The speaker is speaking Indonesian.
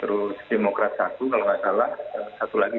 terus demokrat satu kalau kalian tidak tahu itu adalah kursi yang paling banyak